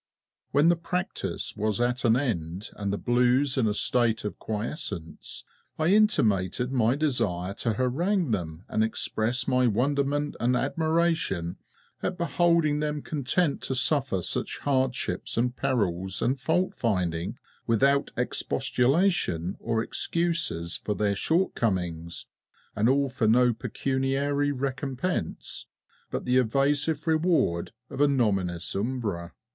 When the practice was at an end and the Blues in a state of quiescence, I intimated my desire to harangue them and express my wonderment and admiration at beholding them content to suffer such hardships and perils and faultfinding without expostulation or excuses for their shortcomings, and all for no pecuniary recompense, but the evasive reward of a nominis umbra.